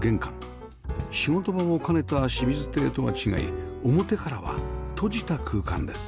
仕事場を兼ねた清水邸とは違い表からは閉じた空間です